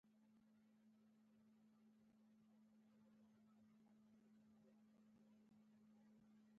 زما په مخکې هغه کوچنۍ کوټه ټوله وسوځېده